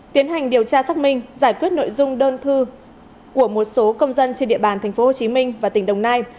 tiến hành điều tra xác minh giải quyết nội dung đơn thư của một số công dân trên địa bàn tp hcm và tỉnh đồng nai